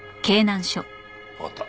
わかった。